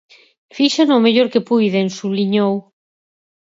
"Fíxeno o mellor que puiden" subliñou.